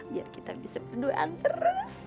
biar kita bisa berduaan terus